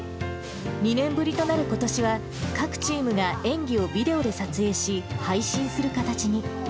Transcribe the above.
２年ぶりとなることしは、各チームが演技をビデオで撮影し、配信する形に。